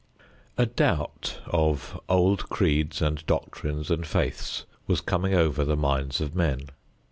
A doubt of old creeds and doctrines and faiths was coming over the minds of men.